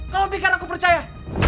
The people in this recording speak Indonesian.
kamu pikir aku percaya